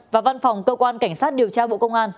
và văn phòng cơ quan cảnh sát điều tra bộ công an